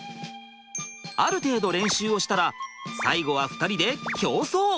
ある程度練習をしたら最後は２人で競争。